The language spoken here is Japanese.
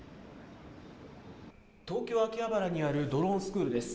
東京・秋葉原にあるドローンスクールです。